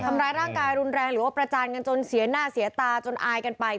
ทำร้ายร่างกายรุนแรงหรือว่าประจานกันจนเสียหน้าเสียตาจนอายกันไป